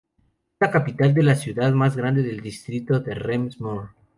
Es la capital y la ciudad más grande del Distrito de Rems-Murr.